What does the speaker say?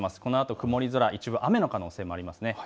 曇り空、一部雨の可能性もあります。